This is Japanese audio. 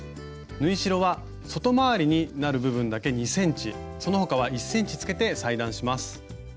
縫い代は外回りになる部分だけ２ｃｍその他は１ｃｍつけて裁断します。